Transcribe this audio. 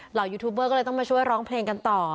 ยูทูบเบอร์ก็เลยต้องมาช่วยร้องเพลงกันต่อ